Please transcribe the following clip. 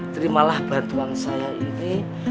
terimalah bantuan saya ini